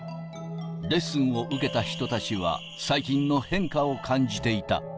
レッスンを受けた人たちは、最近の変化を感じていた。